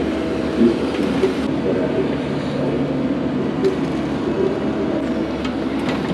Isto significa considerar este subsolo como um bem público não sujeito à propriedade privada.